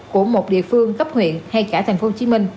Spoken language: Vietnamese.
của một địa phương cấp huyện hay cả tp hcm